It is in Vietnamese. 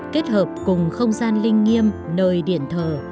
kết hợp cùng không gian linh nghiêm nơi điện thờ